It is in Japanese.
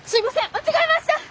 間違えました！